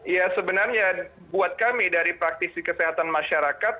ya sebenarnya buat kami dari praktisi kesehatan masyarakat